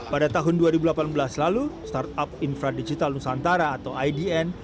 pada tahun dua ribu delapan belas lalu startup infra digital nusantara atau idn